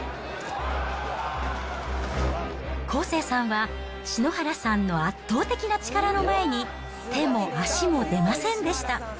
康生さんは篠原さんの圧倒的な力の前に、手も足も出ませんでした。